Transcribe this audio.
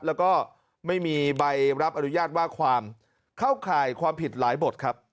แล้วก็ไม่มีใบรับอนุญาตว่าความเข้าข่ายความผิดหลายบทครับ